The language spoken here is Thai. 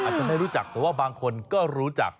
หลายคนอาจจะไม่รู้จักหรอกแต่บางคนก็รู้จัก